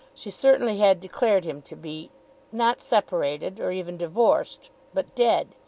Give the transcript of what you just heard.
She certainly had declared him to be, not separated, or even divorced, but dead.